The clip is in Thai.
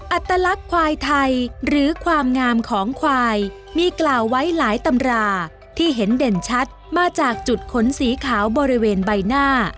อัตลักษณ์ควายไทยหรือความงามของควายมีกล่าวไว้หลายตำราที่เห็นเด่นชัดมาจากจุดขนสีขาวบริเวณใบหน้า